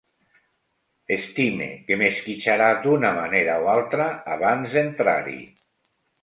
Estime que m'esquitxarà d'una manera o altra abans d'entrar-hi.